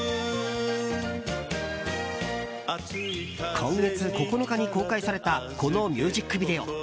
今月９日に公開されたこのミュージックビデオ。